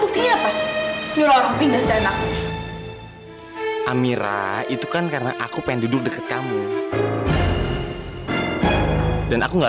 buktinya apa nyuruh orang pindah seenaknya amira itu kan karena aku pengen duduk dekat kamu dan aku nggak